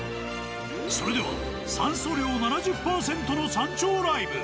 それでは、酸素量７０％の山頂ライブ。